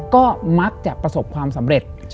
ก็มักจะประสบความสำเร็จ